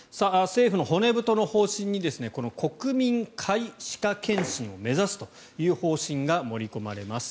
政府の骨太の方針に国民皆歯科検診を目指すという方針が盛り込まれます。